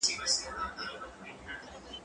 زه به اوږده موده اوبه پاکې کړې وم،